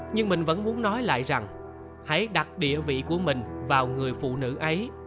nhưng mình vẫn muốn nói lại rằng hãy đặt địa vị của mình vào người phụ nữ ấy